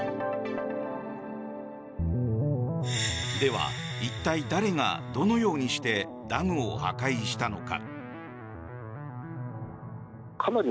では、一体、誰がどのようにしてダムを破壊したのか。